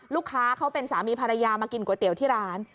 ลูกค้าเขาเป็นสามีภรรยามากินก๋วยเตี๋ยวที่ร้าน